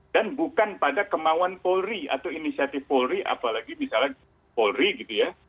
dan bukan pada kemauan polri atau inisiatif polri apalagi misalnya polri gitu ya